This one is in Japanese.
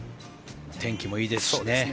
天気もいいですしね。